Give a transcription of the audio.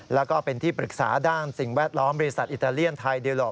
แล้วก็เป็นที่ปรึกษาด้านสิ่งแวดล้อมบริษัทอิตาเลียนไทยดิวโลก